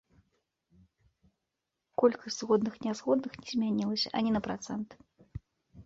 Колькасць згодных-нязгодных не змянілася ані на працэнт.